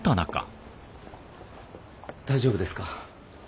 大丈夫ですか？